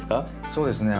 そうですね。